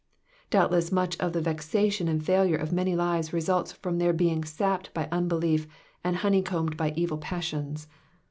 Doubtless much of the vexation and failure of many lives results from their being sapped by unbelief, and honeycombed by evil passions.